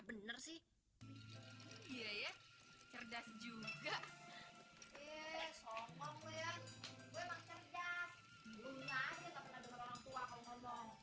bener sih iya ya cerdas juga eh sokok ya gue emang cerdas belum ngasih takut orang tua kalau